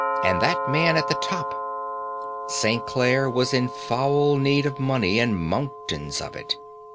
and that man at the top. St. Clare was in foul need of money, and mountains of it.